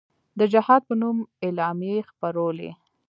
د جهاد په نوم اعلامیې خپرولې.